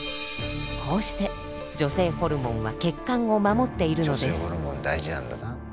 こうして女性ホルモンは血管を守っているのです。